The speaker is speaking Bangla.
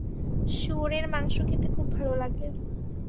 শুয়োরের মাংস খেতে খুব ভালো লাগে।